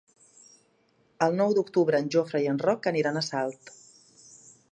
El nou d'octubre en Jofre i en Roc aniran a Salt.